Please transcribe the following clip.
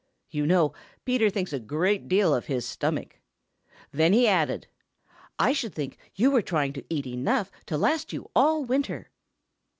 You know Peter thinks a very great deal of his stomach. Then he added: "I should think you were trying to eat enough to last you all winter."